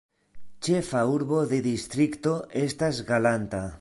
Ĉefa urbo de distrikto estas Galanta.